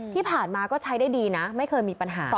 ที่ผ่านมาก็ใช้ได้ดีนะไม่เคยมีปัญหา